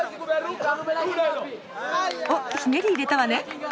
おっひねり入れたわね。